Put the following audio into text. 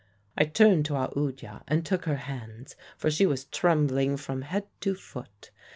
I turned to Aoodya and took her hands, for she was trembling from head to foot.